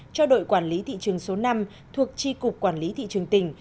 cho đội quản lý thị trường số năm thuộc tri cục quản lý thị trường tỉnh